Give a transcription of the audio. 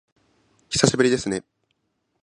久しぶりですね